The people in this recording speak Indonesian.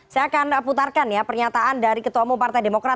saya akan putarkan ya pernyataan dari ketua umum partai demokrat